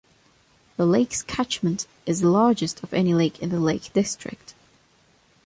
The lake's catchment is the largest of any lake in the Lake District.